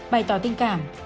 bày tỏ tình cảm